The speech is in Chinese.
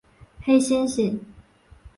黑猩猩。